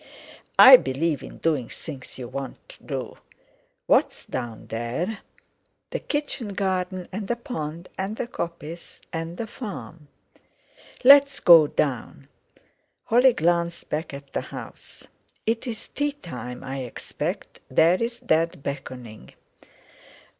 "I believe in doing things you want to do. What's down there?" "The kitchen garden, and the pond and the coppice, and the farm." "Let's go down!" Holly glanced back at the house. "It's tea time, I expect; there's Dad beckoning."